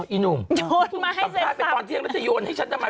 อีหนุ่มโยนสัมภาษณ์ไปตอนเที่ยงแล้วจะโยนให้ฉันทำไม